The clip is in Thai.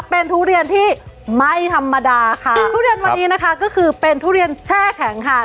เป็นทุเรียนที่ไม่ธรรมดาค่ะทุเรียนวันนี้นะคะก็คือเป็นทุเรียนแช่แข็งค่ะ